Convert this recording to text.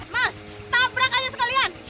mas tabrak aja sekalian